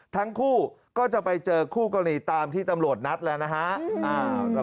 ทั้งคู่ก็จะไปเจอคู่กรณีตามที่ตำรวจนัดแล้วนะฮะ